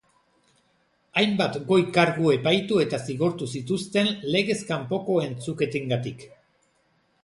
Hainbat goi kargu epaitu eta zigortu zituzten legez kanpoko entzuketengatik.